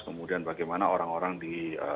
kemudian bagaimana orang orang di